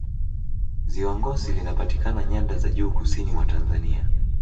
ziwa ngosi linapatikana nyanda za juu kusini mwa tanzania